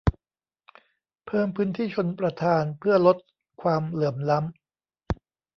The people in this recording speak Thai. เพิ่มพื้นที่ชลประทานเพื่อลดความเหลื่อมล้ำ